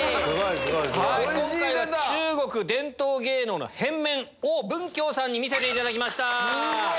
今回は中国伝統芸能の変面王文強さんに見せていただきました。